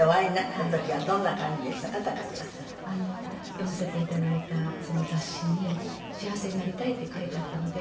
読ませて頂いたその雑誌に幸せになりたいって書いてあったので。